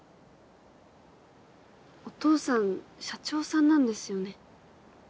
お父さん社長さんなんですよね？